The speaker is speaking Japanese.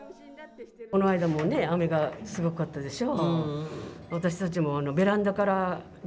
この間もね雨もすごかったでしょ。